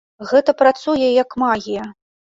Гэта працуе як магія.